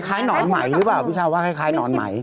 หนอนไหมหรือเปล่าพี่ชาวว่าคล้ายหนอนไหม